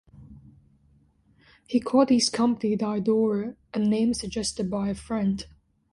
He called his company "Diadora" a name suggested by a friend.